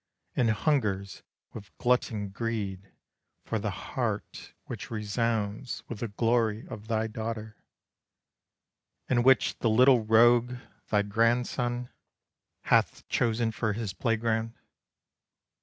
And hungers with glutton greed for the heart Which resounds with the glory of thy daughter, And which the little rogue, thy grandson, Hath chosen for his play ground.